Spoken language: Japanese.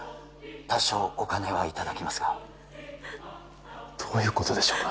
多少お金はいただきますがどういうことでしょうか？